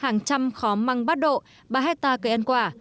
hàng trăm khóm măng bắt độ ba hectare cây ăn quả